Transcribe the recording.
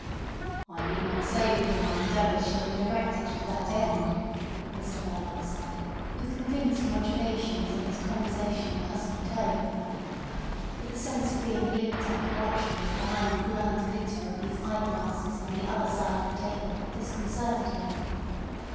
"I need not say that all my endeavours shall be directed to that end," Mr Verloc said, with convinced modulations in his conversational husky tone. But the sense of being blinked at watchfully behind the blind glitter of these eye glasses on the other side of the table disconcerted him.